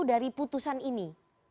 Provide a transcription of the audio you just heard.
dari putusan ini